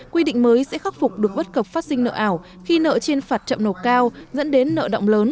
quy định mới sẽ khắc phục được bất cập phát sinh nợ ảo khi nợ trên phạt chậm nộp cao dẫn đến nợ động lớn